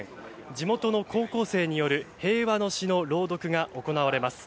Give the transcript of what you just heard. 地元の高校生による平和の詩の朗読が行われます。